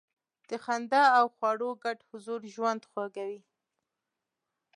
د خندا او خواړو ګډ حضور ژوند خوږوي.